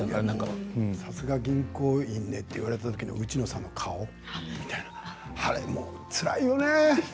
さすが銀行員ねと言われたときの内野さんの顔あれつらいよね